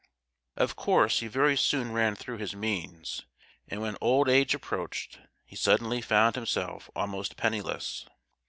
Of course he very soon ran through his means, and when old age approached, he suddenly found himself almost penniless.